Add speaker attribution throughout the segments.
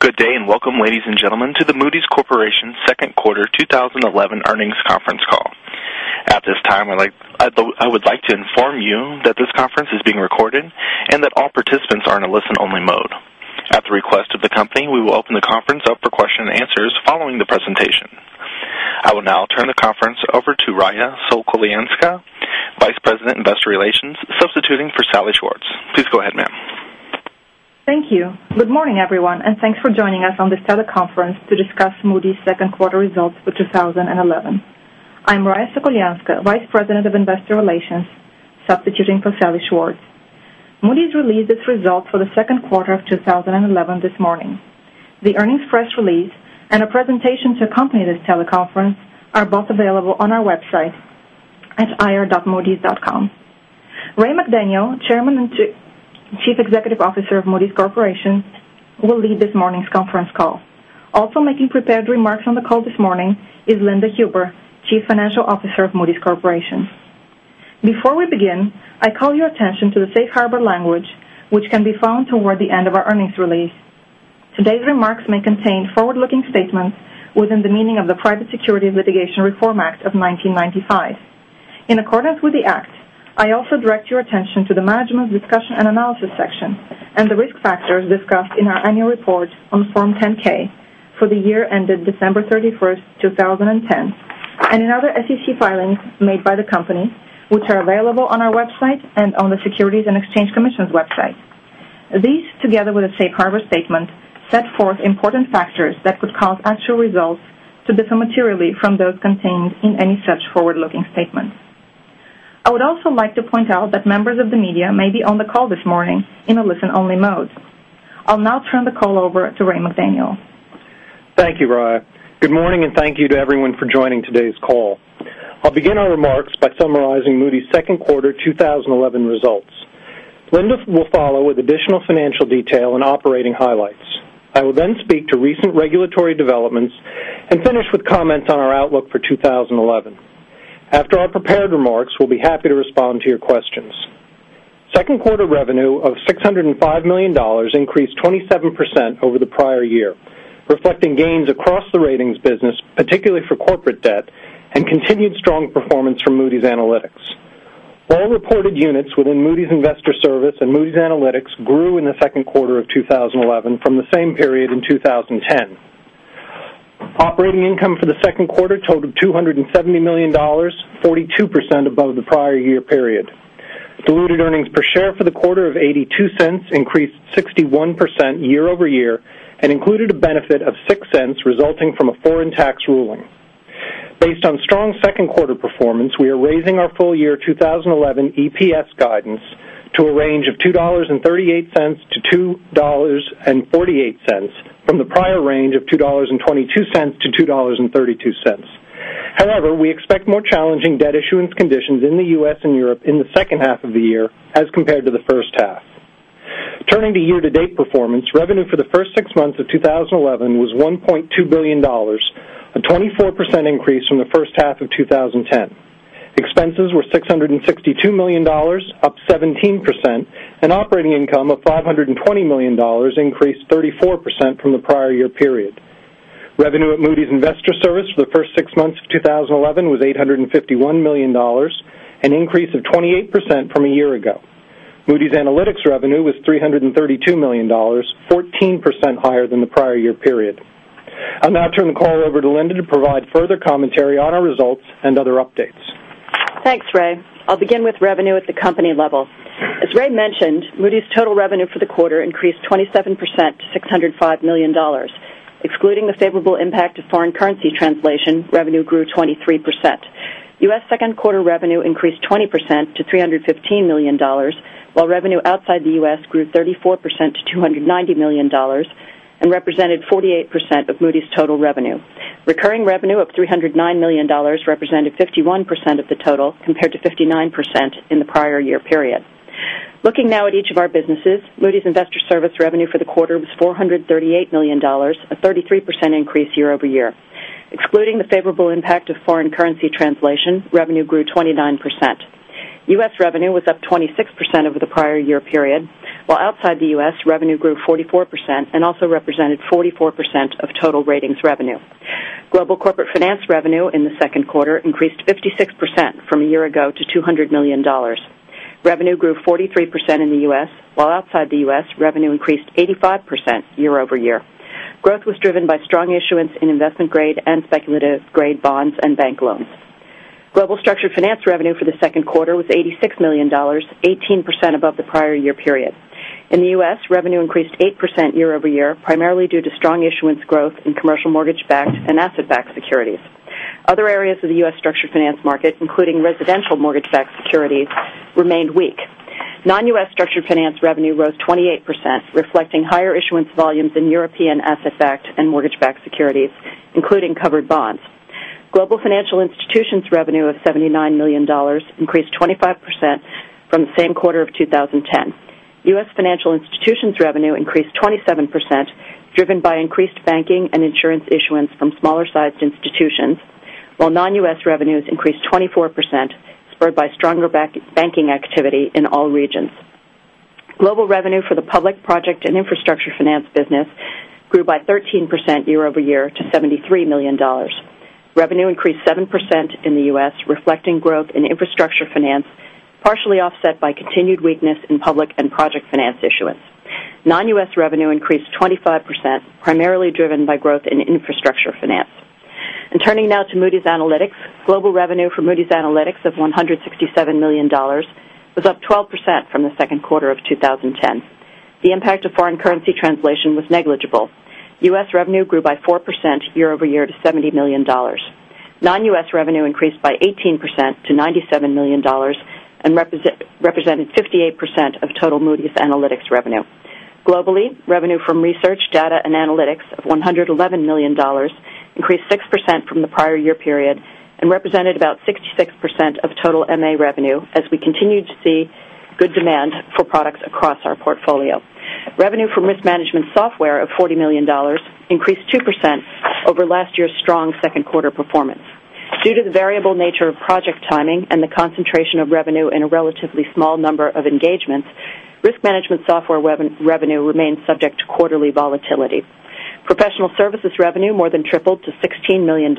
Speaker 1: Good day and welcome, ladies and gentlemen, to the Moody's Corporation Second Quarter 2011 Earnings Conference Call. At this time, I would like to inform you that this conference is being recorded and that all participants are in a listen-only mode. At the request of the company, we will open the conference up for question and answers following the presentation. I will now turn the conference over to Raya Sokolyanska, Vice President of Investor Relations, substituting for Salli Schwartz. Please go ahead, ma'am.
Speaker 2: Thank you. Good morning, everyone, and thanks for joining us on this teleconference to discuss Moody's Second Quarter Results for 2011. I'm Raya Sokolyanska, Vice President of Investor Relations, substituting for Salli Schwartz. Moody's released its results for the second quarter of 2011 this morning. The earnings press release and a presentation to accompany this teleconference are both available on our website at ir.moodys.com. Ray McDaniel, Chairman and Chief Executive Officer of Moody's Corporation, will lead this morning's conference call. Also making prepared remarks on the call this morning is Linda Huber, Chief Financial Officer of Moody's Corporation. Before we begin, I call your attention to the safe harbor language, which can be found toward the end of our earnings release. Today's remarks may contain forward-looking statements within the meaning of the Private Securities Litigation Reform Act of 1995. In accordance with the act, I also direct your attention to the management discussion and analysis section and the risk factors discussed in our annual report on Form 10-K for the year ended December 31, 2010, and in other SEC filings made by the company, which are available on our website and on the Securities and Exchange Commission's website. These, together with a safe harbor statement, set forth important factors that could cause actual results to differ materially from those contained in any such forward-looking statements. I would also like to point out that members of the media may be on the call this morning in a listen-only mode. I'll now turn the call over to Ray McDaniel.
Speaker 3: Thank you, Raya. Good morning and thank you to everyone for joining today's call. I'll begin our remarks by summarizing Moody's second quarter 2011 results. Linda will follow with additional financial detail and operating highlights. I will then speak to recent regulatory developments and finish with comments on our outlook for 2011. After our prepared remarks, we'll be happy to respond to your questions. Second quarter revenue of $605 million increased 27% over the prior year, reflecting gains across the ratings business, particularly for corporate debt, and continued strong performance from Moody's Analytics. All reported units within Moody's Investor Service and Moody's Analytics grew in the second quarter of 2011 from the same period in 2010. Operating income for the second quarter totaled $270 million, 42% above the prior year period. Diluted earnings per share for the quarter of $0.82 increased 61% year-over-year and included a benefit of $0.06 resulting from a foreign tax ruling. Based on strong second quarter performance, we are raising our full-year 2011 EPS guidance to a range of $2.38-$2.48, from the prior range of $2.22-$2.32. However, we expect more challenging debt issuance conditions in the U.S. and Europe in the second half of the year as compared to the first half. Turning to year-to-date performance, revenue for the first six months of 2011 was $1.2 billion, a 24% increase from the first half of 2010. Expenses were $662 million, up 17%, and operating income of $520 million increased 34% from the prior year period. Revenue at Moody's Investor Service for the first six months of 2011 was $851 million, an increase of 28% from a year ago. Moody's Analytics revenue was $332 million, 14% higher than the prior year period. I'll now turn the call over to Linda to provide further commentary on our results and other updates.
Speaker 4: Thanks, Ray. I'll begin with revenue at the company level. As Ray mentioned, Moody's total revenue for the quarter increased 27% to $605 million. Excluding the favorable impact of foreign currency translation, revenue grew 23%. U.S. second quarter revenue increased 20% to $315 million, while revenue outside the U.S. grew 34% to $290 million and represented 48% of Moody's total revenue. Recurring revenue of $309 million represented 51% of the total compared to 59% in the prior year period. Looking now at each of our businesses, Moody's Investors Service revenue for the quarter was $438 million, a 33% increase year-over-year. Excluding the favorable impact of foreign currency translation, revenue grew 29%. U.S. revenue was up 26% over the prior year period, while outside the U.S. revenue grew 44% and also represented 44% of total ratings revenue. Global corporate finance revenue in the second quarter increased 56% from a year ago to $200 million. Revenue grew 43% in the U.S., while outside the U.S. revenue increased 85% year-over-year. Growth was driven by strong issuance in investment-grade and speculative-grade bonds and bank loans. Global structured finance revenue for the second quarter was $86 million, 18% above the prior year period. In the U.S., revenue increased 8% year-over-year, primarily due to strong issuance growth in commercial mortgage-backed and asset-backed securities. Other areas of the U.S. structured finance market, including residential mortgage-backed securities, remained weak. Non-U.S. structured finance revenue rose 28%, reflecting higher issuance volumes in European asset-backed and mortgage-backed securities, including covered bonds. Global financial institutions' revenue of $79 million increased 25% from the same quarter of 2010. U.S. financial institutions' revenue increased 27%, driven by increased banking and insurance issuance from smaller-sized institutions, while non-U.S. revenues increased 24%, spurred by stronger banking activity in all regions. Global revenue for the public project and infrastructure finance business grew by 13% year-over-year to $73 million. Revenue increased 7% in the U.S., reflecting growth in infrastructure finance, partially offset by continued weakness in public and project finance issuance. Non-U.S. revenue increased 25%, primarily driven by growth in infrastructure finance. Turning now to Moody's Analytics, global revenue for Moody's Analytics of $167 million was up 12% from the second quarter of 2010. The impact of foreign currency translation was negligible. U.S. revenue grew by 4% year-over-year to $70 million. Non-U.S. revenue increased by 18% to $97 million and represented 58% of total Moody's Analytics revenue. Globally, revenue from research, data, and analytics of $111 million increased 6% from the prior year period and represented about 66% of total MA revenue, as we continue to see good demand for products across our portfolio. Revenue from risk management software of $40 million increased 2% over last year's strong second quarter performance. Due to the variable nature of project timing and the concentration of revenue in a relatively small number of engagements, risk management software revenue remained subject to quarterly volatility. Professional services revenue more than tripled to $16 million,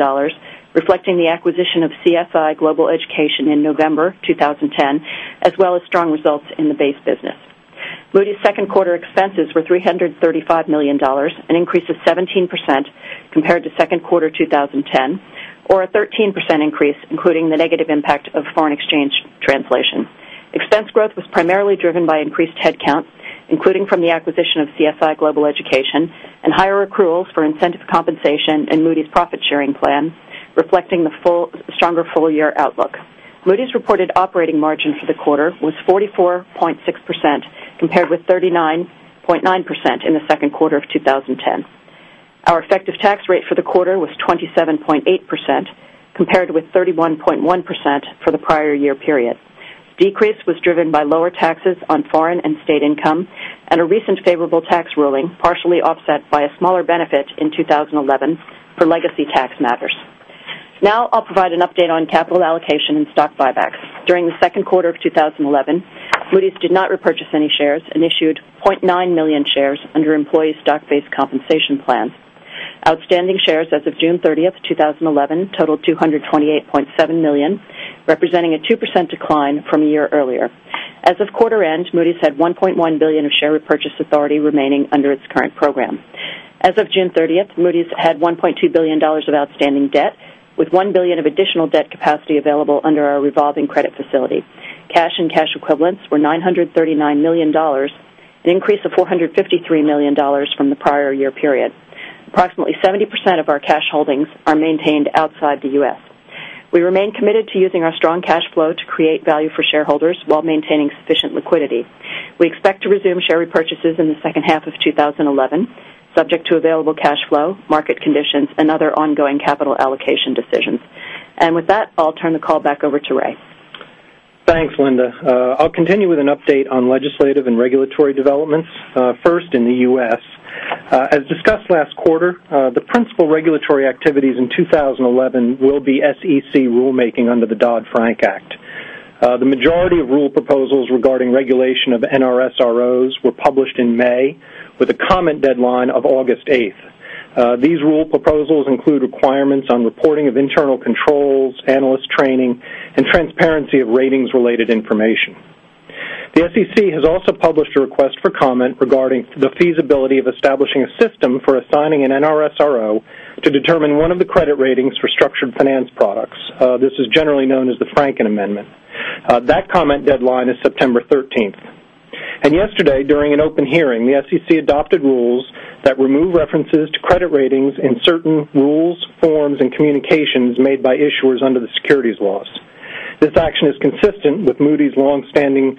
Speaker 4: reflecting the acquisition of CFI Global Education in November 2010, as well as strong results in the base business. Moody's second quarter expenses were $335 million, an increase of 17% compared to second quarter 2010, or a 13% increase, including the negative impact of foreign exchange translation. Expense growth was primarily driven by increased headcount, including from the acquisition of CFI Global Education, and higher accruals for incentive compensation and Moody's profit-sharing plan, reflecting the stronger full-year outlook. Moody's reported operating margin for the quarter was 44.6% compared with 39.9% in the second quarter of 2010. Our effective tax rate for the quarter was 27.8% compared with 31.1% for the prior year period. This decrease was driven by lower taxes on foreign and state income and a recent favorable tax ruling, partially offset by a smaller benefit in 2011 for legacy tax matters. Now, I'll provide an update on capital allocation and stock buybacks. During the second quarter of 2011, Moody's did not repurchase any shares and issued $0.9 million shares under employee stock-based compensation plans. Outstanding shares as of June 30, 2011, totaled $228.7 million, representing a 2% decline from a year earlier. As of quarter end, Moody's had $1.1 billion of share repurchase authority remaining under its current program. As of June 30, Moody's had $1.2 billion of outstanding debt, with $1 billion of additional debt capacity available under our revolving credit facility. Cash and cash equivalents were $939 million, an increase of $453 million from the prior year period. Approximately 70% of our cash holdings are maintained outside the U.S. We remain committed to using our strong cash flow to create value for shareholders while maintaining sufficient liquidity. We expect to resume share repurchases in the second half of 2011, subject to available cash flow, market conditions, and other ongoing capital allocation decisions. I'll turn the call back over to Ray.
Speaker 3: Thanks, Linda. I'll continue with an update on legislative and regulatory developments, first in the U.S. As discussed last quarter, the principal regulatory activities in 2011 will be SEC rulemaking under the Dodd-Frank Act. The majority of rule proposals regarding regulation of NRSROs were published in May, with a comment deadline of August 8. These rule proposals include requirements on reporting of internal controls, analyst training, and transparency of ratings-related information. The SEC has also published a request for comment regarding the feasibility of establishing a system for assigning an NRSRO to determine one of the credit ratings for structured finance products. This is generally known as the Franken Amendment. That comment deadline is September 13. Yesterday, during an open hearing, the SEC adopted rules that remove references to credit ratings in certain rules, forms, and communications made by issuers under the securities laws. This action is consistent with Moody's longstanding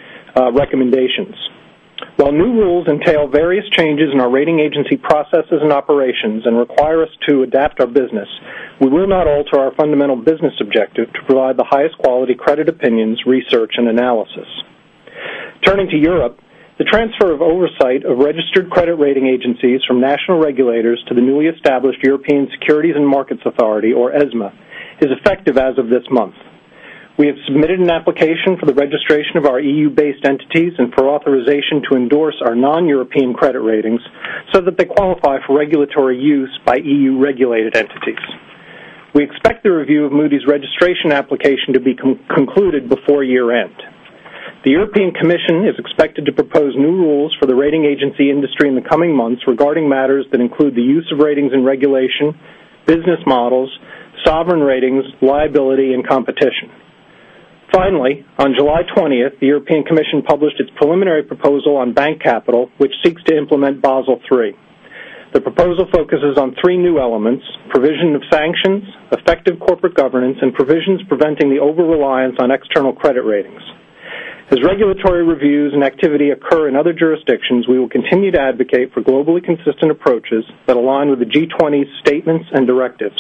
Speaker 3: recommendations. While new rules entail various changes in our rating agency processes and operations and require us to adapt our business, we will not alter our fundamental business objective to provide the highest quality credit opinions, research, and analysis. Turning to Europe, the transfer of oversight of registered credit rating agencies from national regulators to the newly established European Securities and Markets Authority, or ESMA, is effective as of this month. We have submitted an application for the registration of our EU-based entities and for authorization to endorse our non-European credit ratings so that they qualify for regulatory use by EU-regulated entities. We expect the review of Moody's registration application to be concluded before year end. The European Commission is expected to propose new rules for the rating agency industry in the coming months regarding matters that include the use of ratings in regulation, business models, sovereign ratings, liability, and competition. Finally, on July 20, the European Commission published its preliminary proposal on bank capital, which seeks to implement Basel III. The proposal focuses on three new elements: provision of sanctions, effective corporate governance, and provisions preventing the over-reliance on external credit ratings. As regulatory reviews and activity occur in other jurisdictions, we will continue to advocate for globally consistent approaches that align with the G20 statements and directives.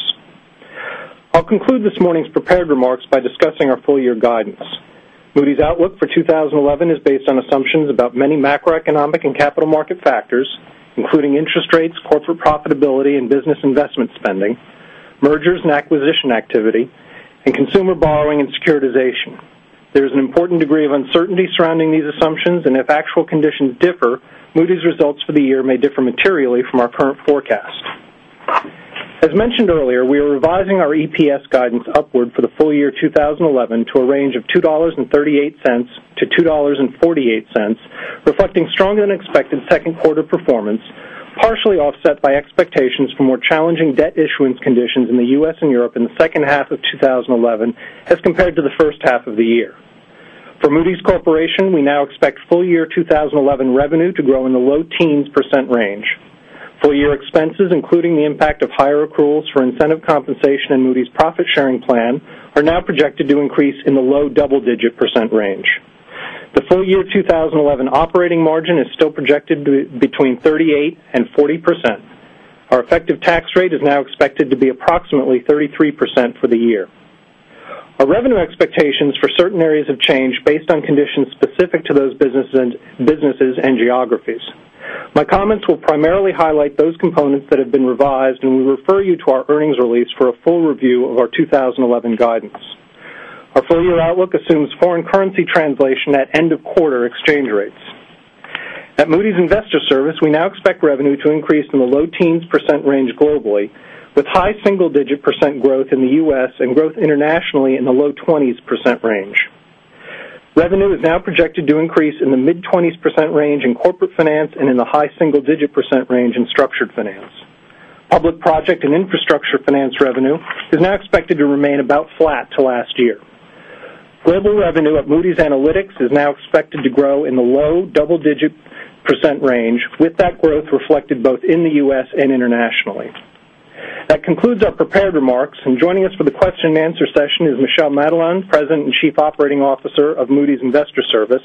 Speaker 3: I'll conclude this morning's prepared remarks by discussing our full-year guidance. Moody's outlook for 2011 is based on assumptions about many macroeconomic and capital market factors, including interest rates, corporate profitability, and business investment spending, mergers and acquisition activity, and consumer borrowing and securitization. There is an important degree of uncertainty surrounding these assumptions, and if actual conditions differ, Moody's results for the year may differ materially from our current forecast. As mentioned earlier, we are revising our EPS guidance upward for the full year 2011 to a range of $2.38-$2.48, reflecting stronger than expected second quarter performance, partially offset by expectations for more challenging debt issuance conditions in the U.S. and Europe in the second half of 2011 as compared to the first half of the year. For Moody's Corporation, we now expect full-year 2011 revenue to grow in the low-teens percent range. Full-year expenses, including the impact of higher accruals for incentive compensation and Moody's profit-sharing plan, are now projected to increase in the low double-digit percent range. The full-year 2011 operating margin is still projected between 38% and 40%. Our effective tax rate is now expected to be approximately 33% for the year. Our revenue expectations for certain areas have changed based on conditions specific to those businesses and geographies. My comments will primarily highlight those components that have been revised, and we refer you to our earnings release for a full review of our 2011 guidance. Our further outlook assumes foreign currency translation at end-of-quarter exchange rates. At Moody's Investors Service, we now expect revenue to increase in the low-teens percent range globally, with high single-digit percent growth in the U.S. and growth internationally in the low 20s percent range. Revenue is now projected to increase in the mid-20s percent range in corporate finance and in the high single-digit percent range in structured finance. Public project and infrastructure finance revenue is now expected to remain about flat to last year. Global revenue at Moody's Analytics is now expected to grow in the low double-digit percent range, with that growth reflected both in the U.S. and internationally. That concludes our prepared remarks, and joining us for the question and answer session is Michel Madelain, President and Chief Operating Officer of Moody's Investors Service.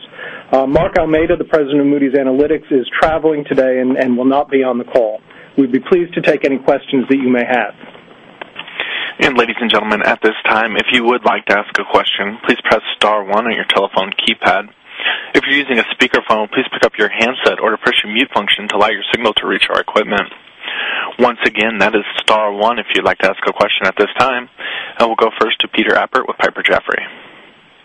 Speaker 3: Mark Almeida, the President of Moody's Analytics, is traveling today and will not be on the call. We'd be pleased to take any questions that you may have.
Speaker 1: Ladies and gentlemen, at this time, if you would like to ask a question, please press star one on your telephone keypad. If you're using a speakerphone, please pick up your handset or push your mute function to allow your signal to reach our equipment. Once again, that is star one if you'd like to ask a question at this time. We will go first to Peter Appert with Piper Jaffray.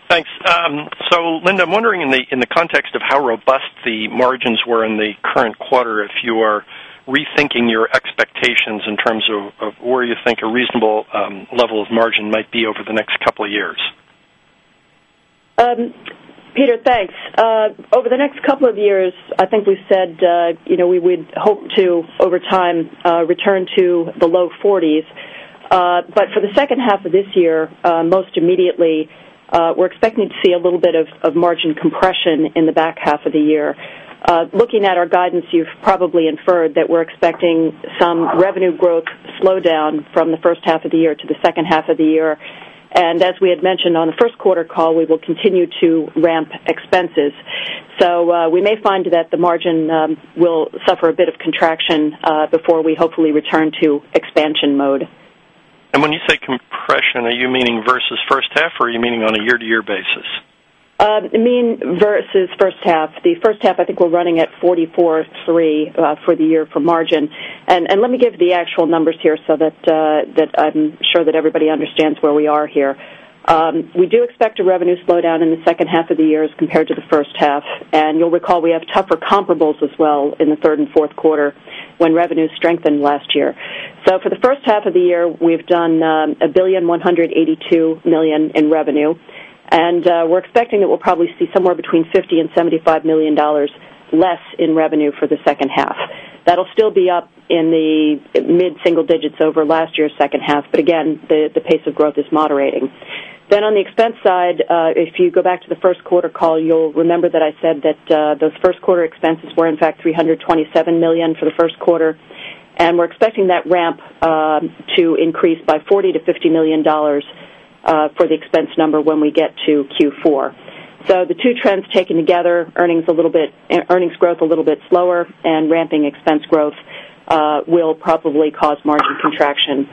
Speaker 5: Thanks. Linda, I'm wondering in the context of how robust the margins were in the current quarter if you are rethinking your expectations in terms of where you think a reasonable level of margin might be over the next couple of years.
Speaker 4: Peter, thanks. Over the next couple of years, I think we've said we would hope to, over time, return to the low 40s. For the second half of this year, most immediately, we're expecting to see a little bit of margin compression in the back half of the year. Looking at our guidance, you've probably inferred that we're expecting some revenue growth slowdown from the first half of the year to the second half of the year. As we had mentioned on the first quarter call, we will continue to ramp expenses. We may find that the margin will suffer a bit of contraction before we hopefully return to expansion mode.
Speaker 5: When you say compression, are you meaning versus first half or are you meaning on a year-over-year basis?
Speaker 4: Mean versus first half. The first half, I think we're running at 44.3% for the year for margin. Let me give the actual numbers here so that I'm sure that everybody understands where we are here. We do expect a revenue slowdown in the second half of the year as compared to the first half. You'll recall we have tougher comparables as well in the third and fourth quarter when revenues strengthened last year. For the first half of the year, we've done $1.182 billion in revenue. We're expecting that we'll probably see somewhere between $50 million and $75 million less in revenue for the second half. That'll still be up in the mid single-digits over last year's second half. Again, the pace of growth is moderating. On the expense side, if you go back to the first quarter call, you'll remember that I said that those first quarter expenses were in fact $327 million for the first quarter. We're expecting that ramp to increase by $40 million-$50 million for the expense number when we get to Q4. The two trends taken together, earnings growth a little bit slower and ramping expense growth will probably cause margin contraction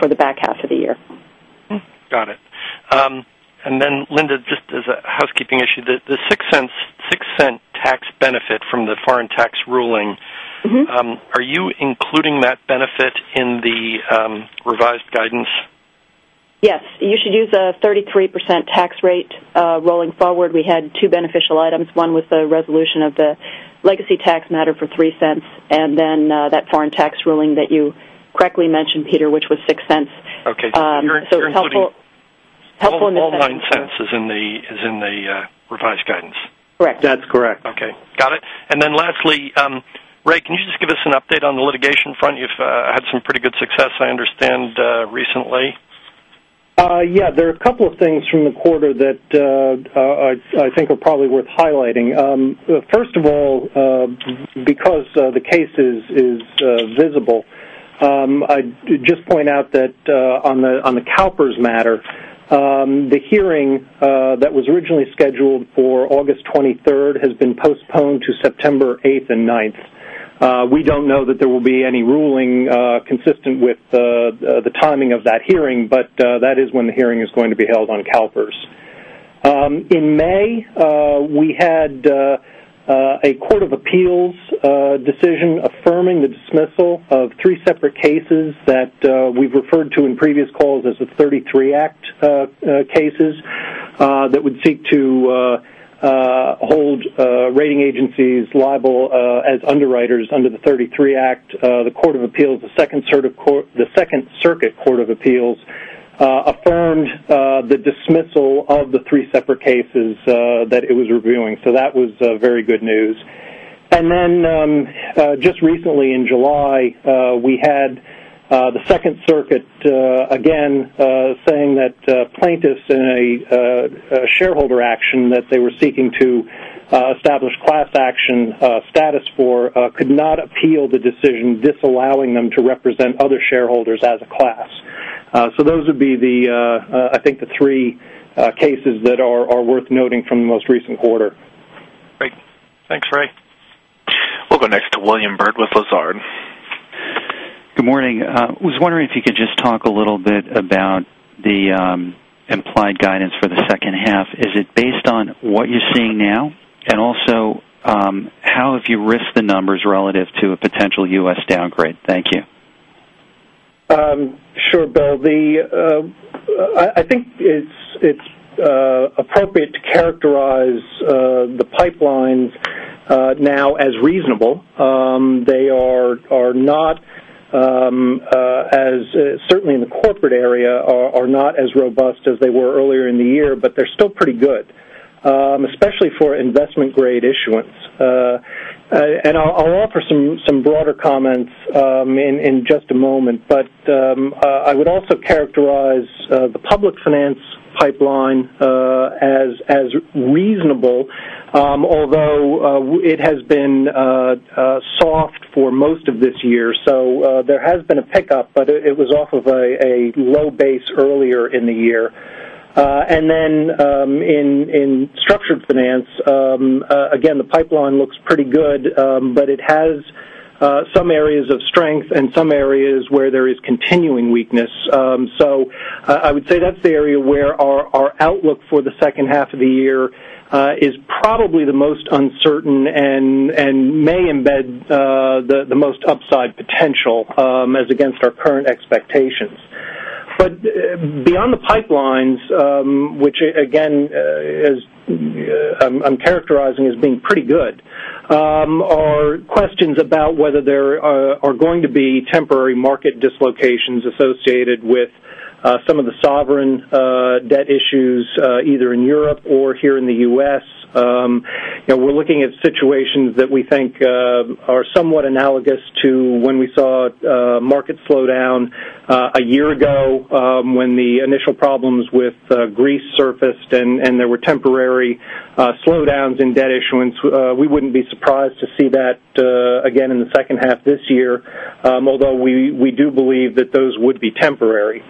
Speaker 4: for the back half of the year.
Speaker 5: Got it. Linda, just as a housekeeping issue, the $0.06 tax benefit from the foreign tax ruling, are you including that benefit in the revised guidance?
Speaker 4: Yes. You should use a 33% tax rate rolling forward. We had two beneficial items. One was the resolution of the legacy tax matter for $0.03, and then that foreign tax ruling that you correctly mentioned, Peter, which was $0.06.
Speaker 5: Okay. It's helpful in the sense that all $0.09 is in the revised guidance.
Speaker 4: Correct.
Speaker 3: That's correct.
Speaker 5: Okay. Got it. Lastly, Ray, can you just give us an update on the litigation front? You've had some pretty good success, I understand, recently.
Speaker 3: Yeah. There are a couple of things from the quarter that I think are probably worth highlighting. First of all, because the case is visible, I'd just point out that on the CalPERS matter, the hearing that was originally scheduled for August 23 has been postponed to September 8 and 9. We don't know that there will be any ruling consistent with the timing of that hearing, but that is when the hearing is going to be held on CalPERS. In May, we had a Court of Appeals decision affirming the dismissal of three separate cases that we've referred to in previous calls as the 33 Act cases that would seek to hold rating agencies liable as underwriters under the 33 Act. The Court of Appeals, the Second Circuit Court of Appeals, affirmed the dismissal of the three separate cases that it was reviewing. That was very good news. Just recently in July, we had the Second Circuit again saying that plaintiffs in a shareholder action that they were seeking to establish class action status for could not appeal the decision, disallowing them to represent other shareholders as a class. Those would be the three cases that are worth noting from the most recent quarter.
Speaker 5: Thanks. Thanks, Ray.
Speaker 1: will go next to William Bird with Lazard.
Speaker 6: Good morning. I was wondering if you could just talk a little bit about the implied guidance for the second half. Is it based on what you're seeing now? Also, how have you risked the numbers relative to a potential U.S. downgrade? Thank you.
Speaker 3: Sure. I think it's appropriate to characterize the pipelines now as reasonable. They are not, certainly in the corporate area, not as robust as they were earlier in the year, but they're still pretty good, especially for investment-grade issuance. I'll offer some broader comments in just a moment. I would also characterize the public finance pipeline as reasonable, although it has been soft for most of this year. There has been a pickup, but it was off of a low base earlier in the year. In structured finance, again, the pipeline looks pretty good, but it has some areas of strength and some areas where there is continuing weakness. I would say that's the area where our outlook for the second half of the year is probably the most uncertain and may embed the most upside potential as against our current expectations. Beyond the pipelines, which again I'm characterizing as being pretty good, are questions about whether there are going to be temporary market dislocations associated with some of the sovereign debt issues, either in Europe or here in the U.S. We're looking at situations that we think are somewhat analogous to when we saw market slowdown a year ago when the initial problems with Greece surfaced and there were temporary slowdowns in debt issuance. We wouldn't be surprised to see that again in the second half this year, although we do believe that those would be temporary.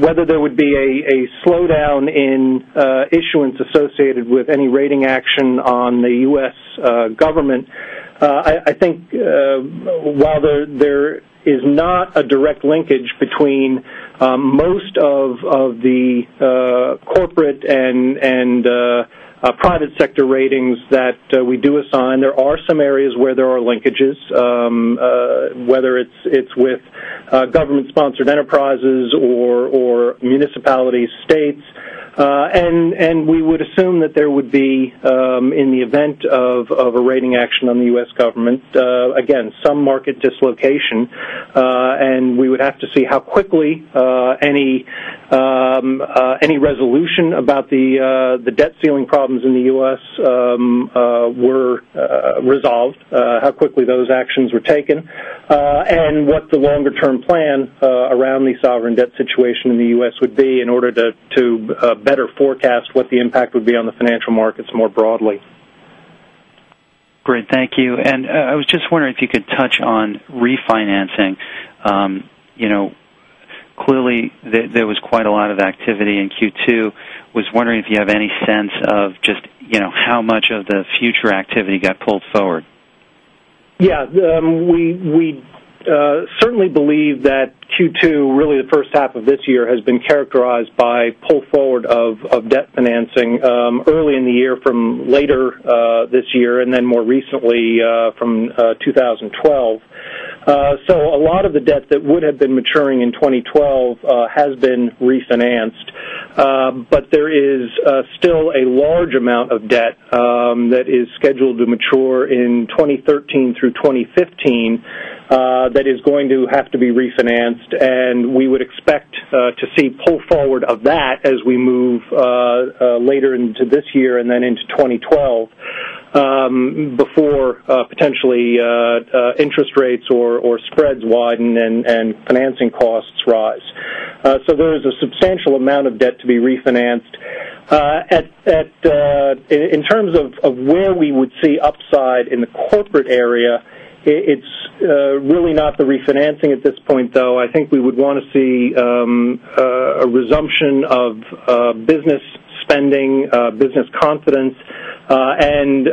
Speaker 3: Whether there would be a slowdown in issuance associated with any rating action on the U.S. government, I think while there is not a direct linkage between most of the corporate and private sector ratings that we do assign, there are some areas where there are linkages, whether it's with government-sponsored enterprises or municipalities, states. We would assume that there would be, in the event of a rating action on the U.S. government, again, some market dislocation. We would have to see how quickly any resolution about the debt ceiling problems in the U.S. were resolved, how quickly those actions were taken, and what the longer-term plan around the sovereign debt situation in the U.S. would be in order to better forecast what the impact would be on the financial markets more broadly.
Speaker 6: Great. Thank you. I was just wondering if you could touch on refinancing. Clearly, there was quite a lot of activity in Q2. I was wondering if you have any sense of just how much of the future activity got pulled forward.
Speaker 3: Yeah. We certainly believe that Q2, really the first half of this year, has been characterized by pull forward of debt financing early in the year from later this year and then more recently from 2012. A lot of the debt that would have been maturing in 2012 has been refinanced. There is still a large amount of debt that is scheduled to mature in 2013 through 2015 that is going to have to be refinanced. We would expect to see pull forward of that as we move later into this year and then into 2012 before potentially interest rates or spreads widen and financing costs rise. There is a substantial amount of debt to be refinanced. In terms of where we would see upside in the corporate area, it's really not the refinancing at this point, though. I think we would want to see a resumption of business spending, business confidence, and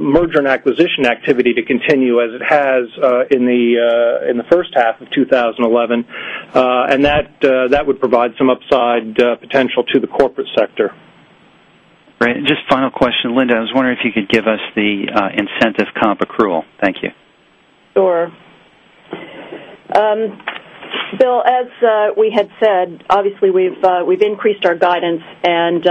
Speaker 3: merger and acquisition activity to continue as it has in the first half of 2011. That would provide some upside potential to the corporate sector.
Speaker 6: Great. Just final question, Linda. I was wondering if you could give us the incentive comp accrual. Thank you.
Speaker 4: Sure. Bill, as we had said, obviously, we've increased our guidance, and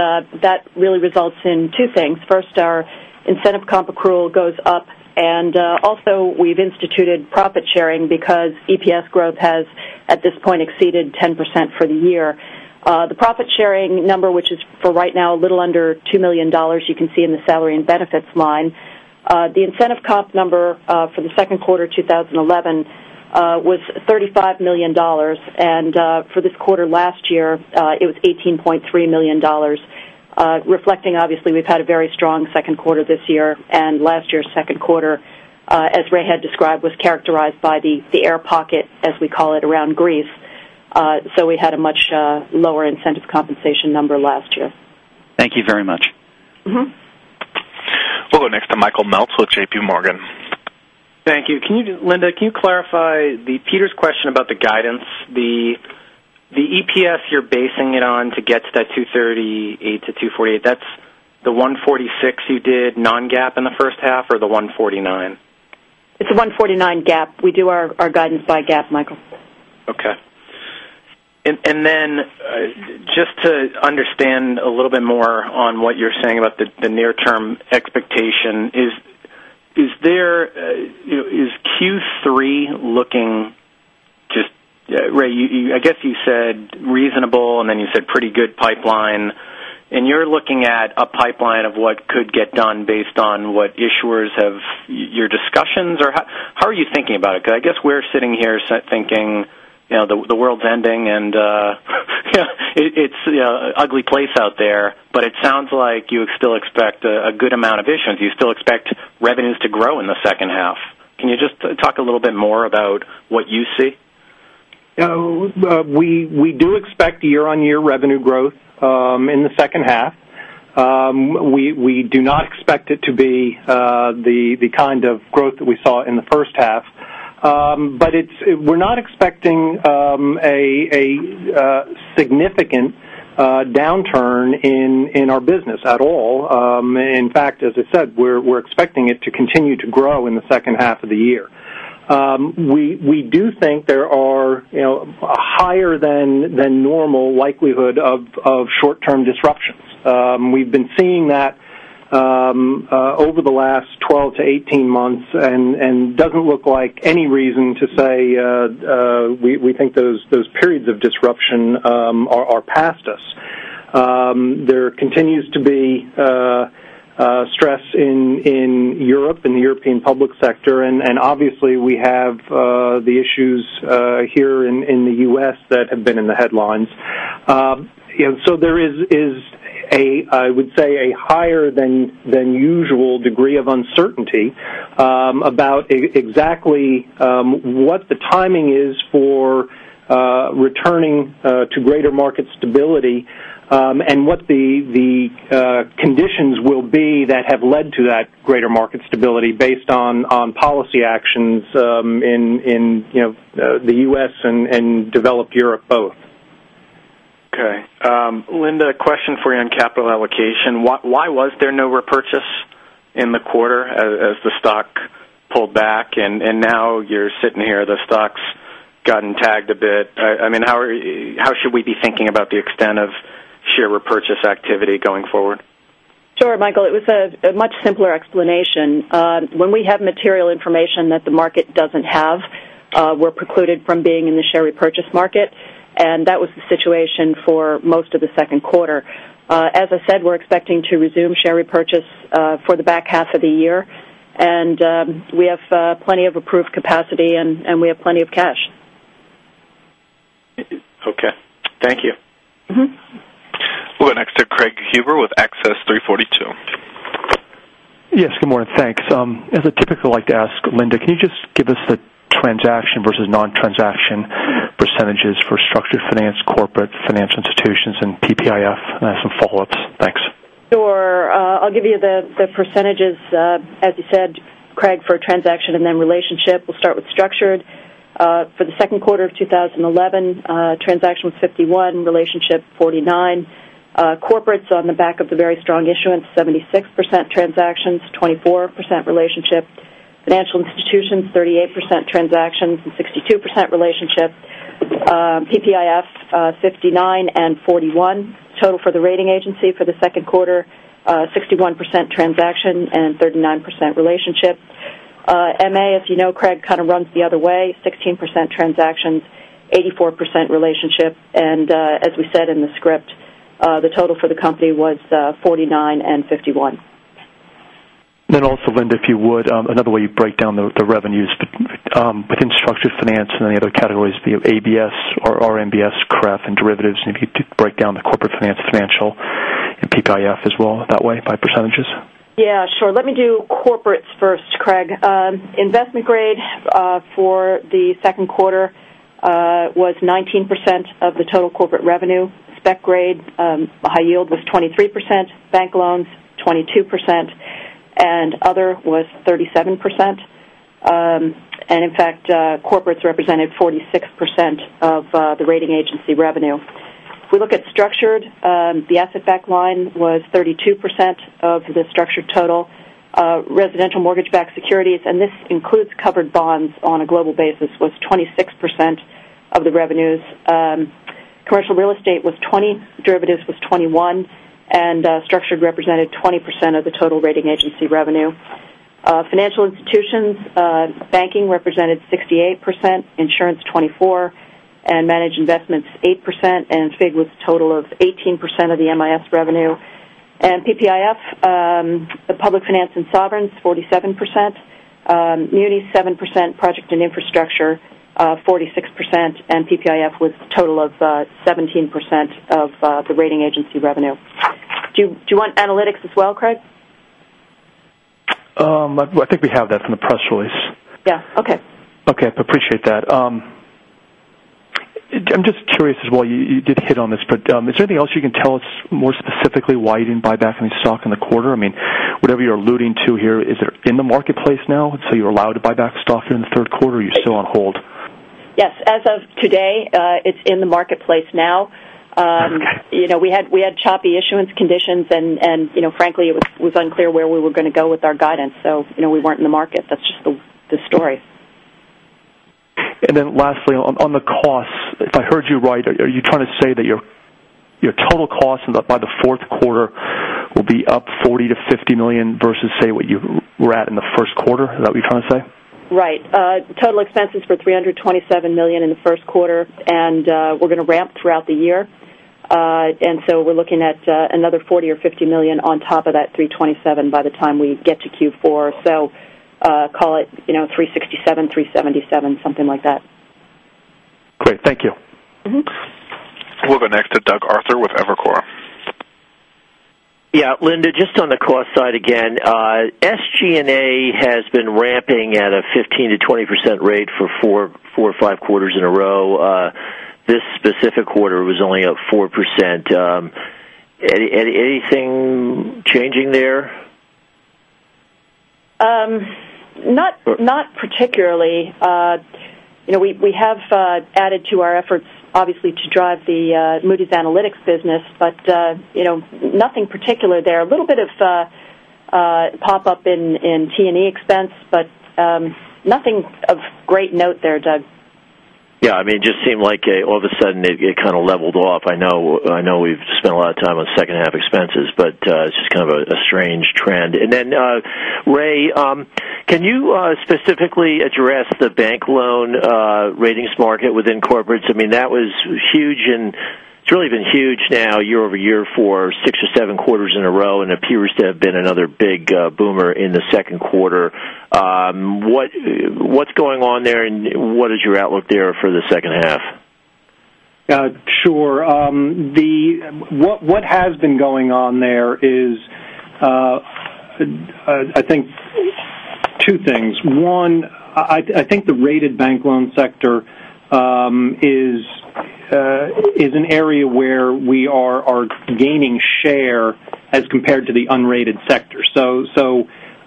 Speaker 4: that really results in two things. First, our incentive comp accrual goes up. We've also instituted profit sharing because EPS growth has at this point exceeded 10% for the year. The profit sharing number, which is for right now a little under $2 million, you can see in the salary and benefits line. The incentive comp number for the second quarter of 2011 was $35 million. For this quarter last year, it was $18.3 million, reflecting obviously we've had a very strong second quarter this year. Last year's second quarter, as Ray had described, was characterized by the air pocket, as we call it, around Greece. We had a much lower incentive compensation number last year.
Speaker 6: Thank you very much.
Speaker 1: We'll go next to Michael Meltz with JPMorgan.
Speaker 7: Thank you. Linda, can you clarify Peter's question about the guidance? The EPS you're basing it on to get to that $2.38-$2.48, that's the $1.46 you did non-GAAP in the first half or the $1.49?
Speaker 4: It's $1.49 GAAP. We do our guidance by GAAP, Michael.
Speaker 7: Okay. Just to understand a little bit more on what you're saying about the near-term expectation, is Q3 looking to, Ray, I guess you said reasonable and then you said pretty good pipeline. You're looking at a pipeline of what could get done based on what issuers have, your discussions, or how are you thinking about it? I guess we're sitting here thinking the world's ending and it's an ugly place out there. It sounds like you still expect a good amount of issuance. You still expect revenues to grow in the second half. Can you just talk a little bit more about what you see?
Speaker 3: Yeah. We do expect year-over-year revenue growth in the second half. We do not expect it to be the kind of growth that we saw in the first half. We are not expecting a significant downturn in our business at all. In fact, as I said, we are expecting it to continue to grow in the second half of the year. We do think there is a higher than normal likelihood of short-term disruptions. We have been seeing that over the last 12-18 months, and it does not look like any reason to say we think those periods of disruption are past us. There continues to be stress in Europe and the European public sector. Obviously, we have the issues here in the U.S. that have been in the headlines. There is a, I would say, a higher than usual degree of uncertainty about exactly what the timing is for returning to greater market stability and what the conditions will be that have led to that greater market stability based on policy actions in the U.S. and developed Europe both.
Speaker 7: Okay. Linda, a question for you on capital allocation. Why was there no repurchase in the quarter as the stock pulled back? Now you're sitting here, the stock's gotten tagged a bit. How should we be thinking about the extent of share repurchase activity going forward?
Speaker 4: Sure, Michael. It was a much simpler explanation. When we have material information that the market doesn't have, we're precluded from being in the share repurchase market. That was the situation for most of the second quarter. As I said, we're expecting to resume share repurchase for the back half of the year. We have plenty of approved capacity, and we have plenty of cash.
Speaker 7: Okay, thank you.
Speaker 1: We'll go next to Craig Huber with Access 342.
Speaker 8: Yes. Good morning. Thanks. As I typically like to ask, Linda, can you just give us the transaction versus non-transaction percentages for structured finance, corporate finance institutions, and TPIF? I have some follow-ups. Thanks.
Speaker 4: Sure. I'll give you the percentages. As you said, Craig, for a transaction and then relationship, we'll start with structured. For the second quarter of 2011, transaction was 51%, relationship 49%. Corporates, on the back of the very strong issuance, 76% transactions, 24% relationship. Financial institutions, 38% transactions and 62% relationship. TPIF, 59% and 41%. Total for the rating agency for the second quarter, 61% transaction and 39% relationship. MA, as you know, Craig, kind of runs the other way, 16% transactions, 84% relationship. As we said in the script, the total for the company was 49% and 51%.
Speaker 8: Linda, if you would, another way you break down the revenues within structured finance and any other categories via ABS or RMBS, CREF, and derivatives, and if you could break down the corporate finance, financial, and TPIF as well that way by percentages.
Speaker 4: Yeah, sure. Let me do corporates first, Craig. Investment grade for the second quarter was 19% of the total corporate revenue. Spec grade, high yield was 23%. Bank loans, 22%. Other was 37%. In fact, corporates represented 46% of the rating agency revenue. If we look at structured, the asset-backed line was 32% of the structured total. Residential mortgage-backed securities, and this includes covered bonds on a global basis, was 26% of the revenues. Commercial real estate was 20%, derivatives was 21%, and structured represented 20% of the total rating agency revenue. Financial institutions, banking represented 68%, insurance 24%, and managed investments 8%, and SPIG with a total of 18% of the MIS revenue. TPIF, public finance and sovereigns, 47%. Munis, 7%. Project and infrastructure, 46%. TPIF with a total of 17% of the rating agency revenue. Do you want analytics as well, Craig?
Speaker 8: I think we have that from the press release.
Speaker 4: Yeah. Okay.
Speaker 8: Okay. I appreciate that. I'm just curious as well, you did hit on this, but is there anything else you can tell us more specifically why you didn't buy back any stock in the quarter? I mean, whatever you're alluding to here, is it in the marketplace now? You're allowed to buy back stock here in the third quarter or are you still on hold?
Speaker 4: Yes. As of today, it's in the marketplace now. We had choppy issuance conditions, and frankly, it was unclear where we were going to go with our guidance. We weren't in the market. That's just the story.
Speaker 8: Lastly, on the costs, if I heard you right, are you trying to say that your total costs by the fourth quarter will be up $40 million-$50 million versus, say, what you were at in the first quarter? Is that what you're trying to say?
Speaker 4: Right. Total expenses were $327 million in the first quarter, and we're going to ramp throughout the year. We're looking at another $40 million or $50 million on top of that $327 million by the time we get to Q4. Call it $367 million, $377 million, something like that.
Speaker 8: Great. Thank you.
Speaker 1: We'll go next to Doug Arthur with Evercore.
Speaker 9: Yeah. Linda, just on the cost side again, SG&A has been ramping at a 15%-20% rate for four or five quarters in a row. This specific quarter was only up 4%. Anything changing there?
Speaker 4: Not particularly. You know, we have added to our efforts, obviously, to drive the Moody's Analytics business, but you know, nothing particular there. A little bit of pop-up in T&E expense, but nothing of great note there, Doug.
Speaker 9: Yeah. I mean, it just seemed like all of a sudden it kind of leveled off. I know we've spent a lot of time on second half expenses, but it's just kind of a strange trend. Ray, can you specifically address the bank loan ratings market within corporates? I mean, that was huge, and it's really been huge now year-over-year for six or seven quarters in a row, and it appears to have been another big boomer in the second quarter. What's going on there, and what is your outlook there for the second half?
Speaker 3: Yeah. Sure. What has been going on there is, I think, two things. One, I think the rated bank loan sector is an area where we are gaining share as compared to the unrated sector.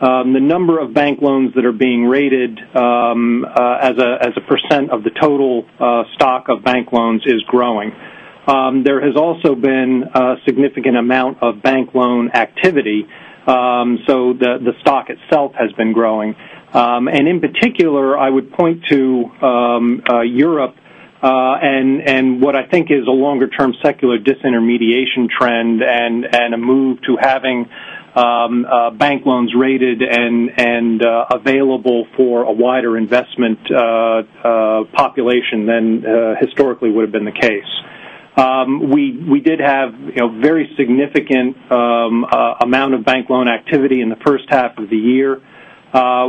Speaker 3: The number of bank loans that are being rated as a percent of the total stock of bank loans is growing. There has also been a significant amount of bank loan activity, so the stock itself has been growing. In particular, I would point to Europe and what I think is a longer-term secular disintermediation trend and a move to having bank loans rated and available for a wider investment population than historically would have been the case. We did have a very significant amount of bank loan activity in the first half of the year.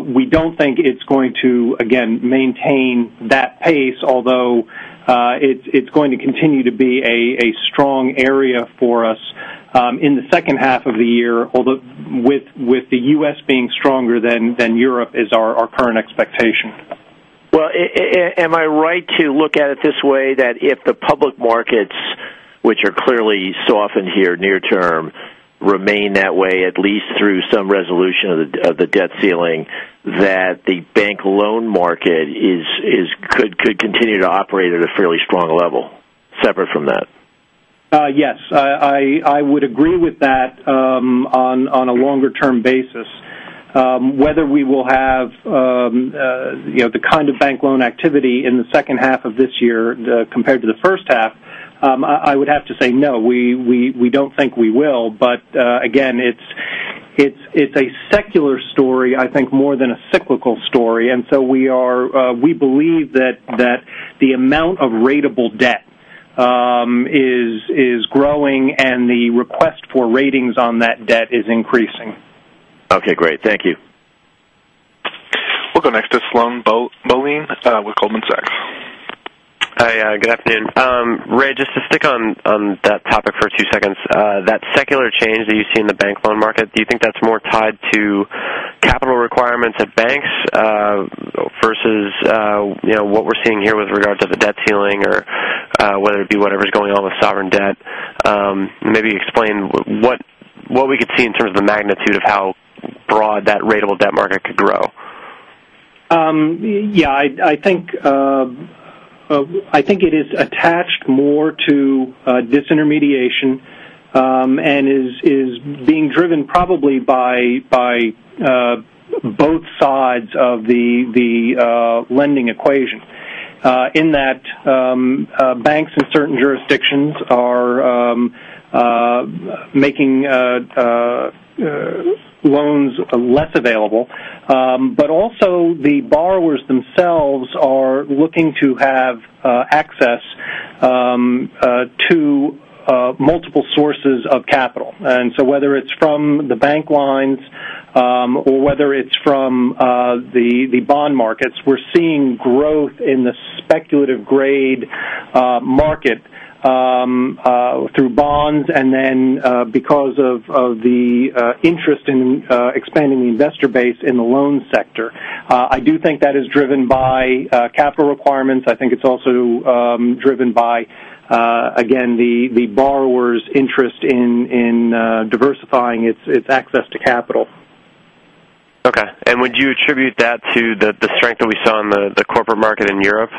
Speaker 3: We don't think it's going to maintain that pace, although it's going to continue to be a strong area for us in the second half of the year, with the U.S. being stronger than Europe as our current expectation.
Speaker 9: Am I right to look at it this way, that if the public markets, which are clearly softened here near term, remain that way at least through some resolution of the debt ceiling, that the bank loan market could continue to operate at a fairly strong level separate from that?
Speaker 3: Yes. I would agree with that on a longer-term basis. Whether we will have the kind of bank loan activity in the second half of this year compared to the first half, I would have to say no. We don't think we will. It is a secular story, I think, more than a cyclical story. We believe that the amount of ratable debt is growing, and the request for ratings on that debt is increasing.
Speaker 9: Okay. Great. Thank you.
Speaker 1: We'll go next to [Sloan Boat Mowing] with Goldman Sachs. Hi. Good afternoon. Ray, just to stick on that topic for a few seconds, that secular change that you see in the bank loan market, do you think that's more tied to capital requirements at banks versus what we're seeing here with regard to the debt ceiling or whether it be whatever's going on with sovereign debt? Maybe explain what we could see in terms of the magnitude of how broad that rated debt market could grow.
Speaker 3: Yeah. I think it is attached more to disintermediation and is being driven probably by both sides of the lending equation. In that banks in certain jurisdictions are making loans less available, the borrowers themselves are looking to have access to multiple sources of capital. Whether it's from the bank lines or whether it's from the bond markets, we're seeing growth in the speculative grade market through bonds. Because of the interest in expanding the investor base in the loan sector, I do think that is driven by capital requirements. I think it's also driven by, again, the borrower's interest in diversifying its access to capital. Would you attribute that to the strength that we saw in the corporate market in Europe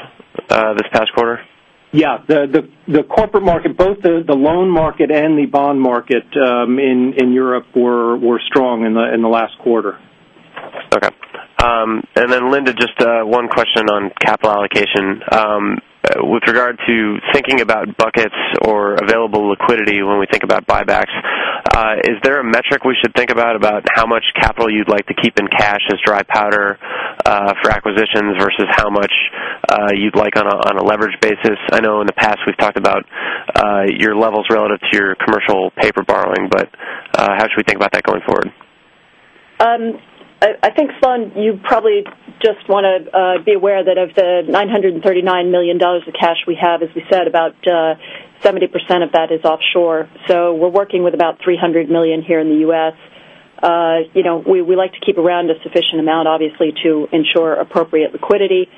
Speaker 3: this past quarter? Yeah, the corporate market, both the loan market and the bond market in Europe, were strong in the last quarter. Okay. Linda, just one question on capital allocation. With regard to thinking about buckets or available liquidity when we think about buybacks, is there a metric we should think about for how much capital you'd like to keep in cash as dry powder for acquisitions versus how much you'd like on a leverage basis? I know in the past we've talked about your levels relative to your commercial paper borrowing, but how should we think about that going forward?
Speaker 4: I think, [Sloan], you probably just want to be aware that of the $939 million of cash we have, as we said, about 70% of that is offshore. We're working with about $300 million here in the U.S. We like to keep around a sufficient amount, obviously, to ensure appropriate liquidity.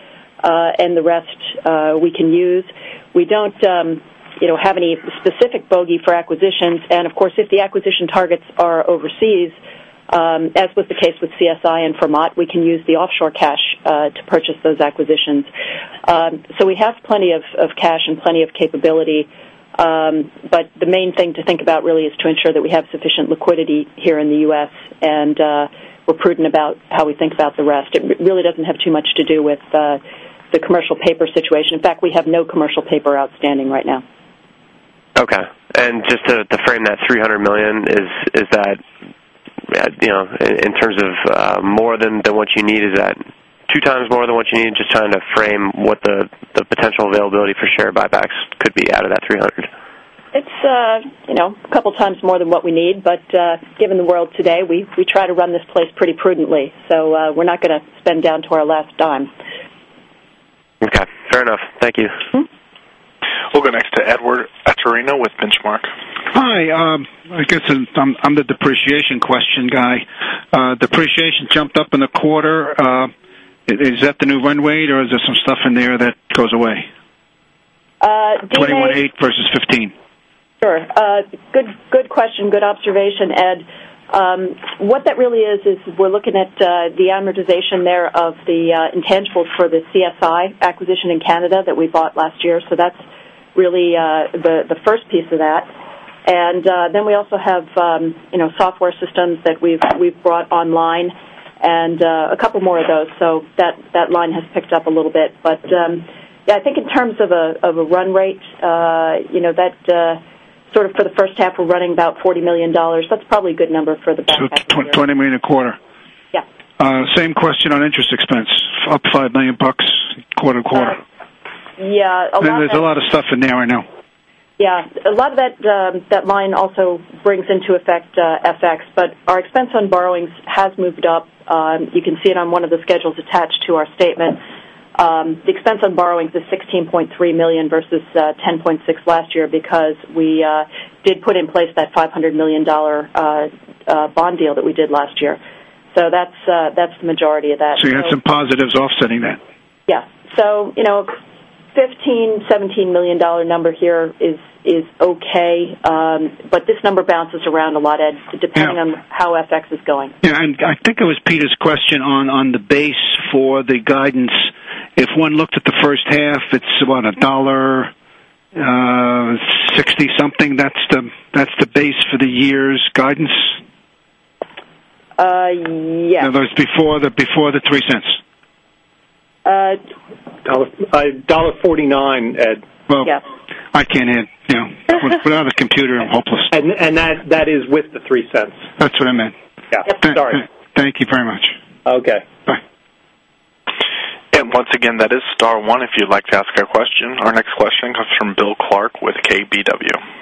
Speaker 4: The rest we can use. We don't have any specific bogey for acquisitions. If the acquisition targets are overseas, as was the case with CSI and Vermont, we can use the offshore cash to purchase those acquisitions. We have plenty of cash and plenty of capability. The main thing to think about really is to ensure that we have sufficient liquidity here in the U.S. and we're prudent about how we think about the rest. It really doesn't have too much to do with the commercial paper situation. In fact, we have no commercial paper outstanding right now. Okay. Just to frame that $300 million, is that in terms of more than what you need, is that two times more than what you need? Just trying to frame what the potential availability for share buybacks could be out of that $300 million. It's a couple of times more than what we need. Given the world today, we try to run this place pretty prudently. We're not going to spend down to our last dime. Okay. Fair enough. Thank you.
Speaker 1: We'll go next to Edward Atorino with Benchmark.
Speaker 10: Hi. I think it's an under-depreciation question, Guy. Depreciation jumped up in a quarter. Is that the new run rate, or is there some stuff in there that goes away? Run rate versus $15 million.
Speaker 4: Sure. Good question, good observation. What that really is, is we're looking at the amortization there of the intangibles for the CSI acquisition in Canada that we bought last year. That's really the first piece of that. We also have software systems that we've brought online and a couple more of those. That line has picked up a little bit. I think in terms of a run rate, you know that sort of for the first half, we're running about $40 million. That's probably a good number for the back half of the quarter.
Speaker 10: $20 million a quarter.
Speaker 4: Yeah.
Speaker 10: Same question on interest expense, up $5 million quarter to quarter.
Speaker 4: Yeah.
Speaker 10: There is a lot of stuff in there, I know.
Speaker 4: Yeah. A lot of that line also brings into effect FX. Our expense on borrowings has moved up. You can see it on one of the schedules attached to our statement. The expense on borrowings is $16.3 million versus $10.6 million last year because we did put in place that $500 million bond deal that we did last year. That's the majority of that.
Speaker 10: You had some positives offsetting that.
Speaker 4: Yeah, you know, the $15 million, $17 million number here is okay, but this number bounces around a lot, Ed, depending on how FX is going.
Speaker 10: I think it was Peter's question on the base for the guidance. If one looked at the first half, it's about $1.60 something. That's the base for the year's guidance.
Speaker 4: Yes.
Speaker 10: That was before the $0.03.
Speaker 3: $1.49, Ed.
Speaker 10: I can't add, you know. Without a computer, I'm hopeless.
Speaker 3: That is with the $0.03.
Speaker 10: That's what I meant.
Speaker 3: Yeah. Sorry.
Speaker 10: Thank you very much.
Speaker 3: Okay.
Speaker 1: That is star one if you'd like to ask a question. Our next question comes from Bill Clark with KBW.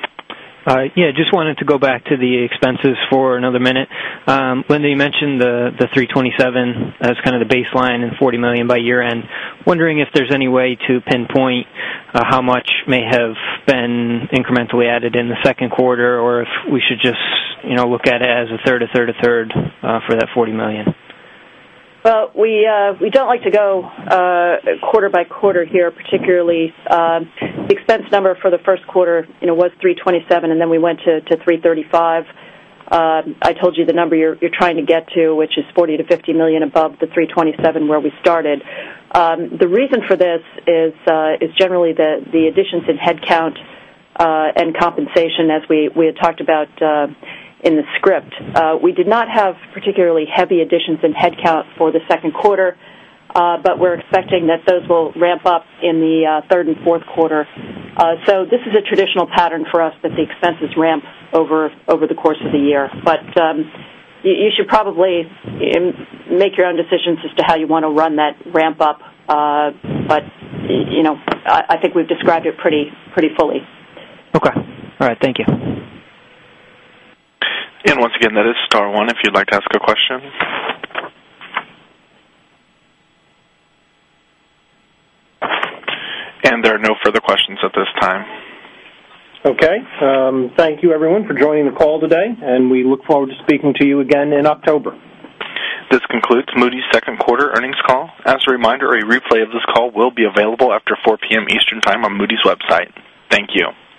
Speaker 11: Yeah. I just wanted to go back to the expenses for another minute. Linda, you mentioned the $327 million as kind of the baseline and $40 million by year-end. Wondering if there's any way to pinpoint how much may have been incrementally added in the second quarter or if we should just look at it as a third, a third, a third for that $40 million.
Speaker 4: We do not like to go quarter by quarter here, particularly. The expense number for the first quarter was $327 million, and then we went to $335 million. I told you the number you're trying to get to, which is $40 million-$50 million above the $327 million where we started. The reason for this is generally that the additions in headcount and compensation, as we had talked about in the script, we did not have particularly heavy additions in headcount for the second quarter, but we're expecting that those will ramp up in the third and fourth quarter. This is a traditional pattern for us that the expenses ramp over the course of the year. You should probably make your own decisions as to how you want to run that ramp-up. I think we've described it pretty fully.
Speaker 11: Okay. All right. Thank you.
Speaker 1: That is star one if you'd like to ask a question. There are no further questions at this time.
Speaker 3: Thank you, everyone, for joining the call today. We look forward to speaking to you again in October.
Speaker 1: This concludes Moody's Second Quarter Earnings Call. As a reminder, a replay of this call will be available after 4:00 P.M. Eastern Time on Moody's website. Thank you.